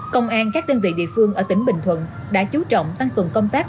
công an các đơn vị địa phương ở tỉnh bình thuận đã chú trọng tăng cường công tác